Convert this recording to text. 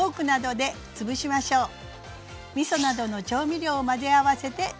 みそなどの調味料を混ぜ合わせて出来上がり。